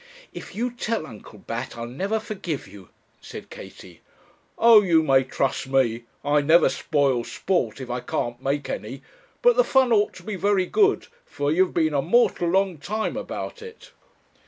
'If you tell, Uncle Bat, I'll never forgive you,' said Katie. 'Oh, you may trust me; I never spoil sport, if I can't make any; but the fun ought to be very good, for you've been a mortal long time about it.'